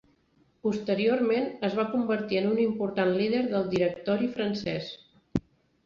Posteriorment es va convertir en un important líder del Directori francès.